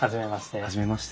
初めまして。